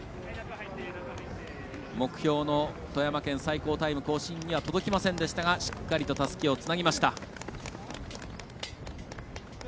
目標の富山県最高タイム更新には届きませんでしたがしっかりとたすきをつなぎました。